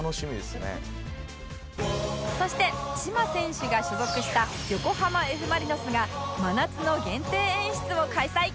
そしてチマ選手が所属した横浜 Ｆ ・マリノスが真夏の限定演出を開催！